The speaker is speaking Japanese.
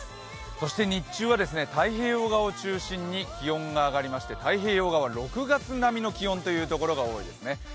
そして日中は太平洋側を中心に気温が上がりまして太平洋側は６月並みの気温というところが多いですね。